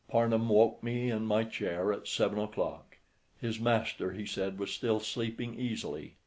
Parnham woke me in my chair at seven o'clock; his master, he said, was still sleeping easily.